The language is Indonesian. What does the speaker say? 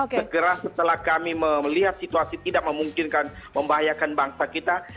segera setelah kami melihat situasi tidak memungkinkan membahayakan bangsa kita